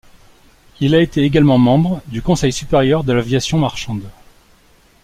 Il a été également membre du Conseil supérieur de l’aviation marchande.